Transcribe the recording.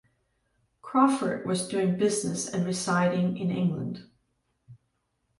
Crawford was doing business and residing in England.